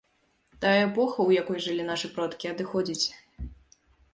Тая эпоха, у якой жылі нашыя продкі, адыходзіць.